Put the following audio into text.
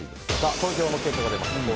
投票の結果が出ました。